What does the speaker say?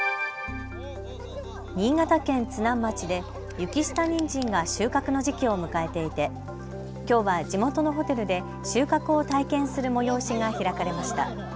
新潟県津南町で雪下にんじんが収穫の時期を迎えていてきょうは地元のホテルで収穫を体験する催しが開かれました。